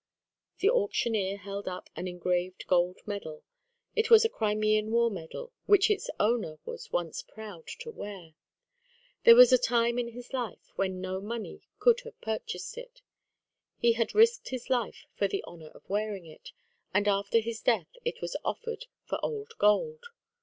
The auctioneer held up an engraved gold medal. It was a Crimean war medal which its owner was once proud to wear. There was a time in his life when no money could have purchased it. He had risked his life for the honour of wearing it; and after his death it was offered for old gold.